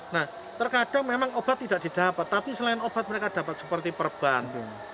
nah terkadang memang obat tidak didapat tapi selain obat mereka dapat seperti perban